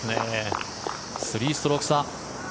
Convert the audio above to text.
３ストローク差。